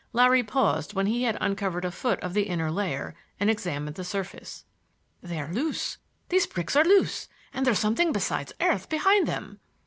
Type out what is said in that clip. Larry paused when he had uncovered a foot of the inner layer, and examined the surface. "They're loose—these bricks are loose, and there's something besides earth behind them!"